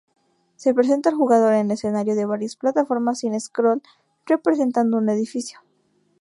Se presenta al jugador un escenario de varias plataformas sin scroll representando un edificio.